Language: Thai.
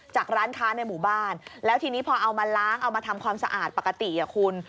ร้านค้าในหมู่บ้านแล้วทีนี้พอเอามาล้างเอามาทำความสะอาดปกติคุณ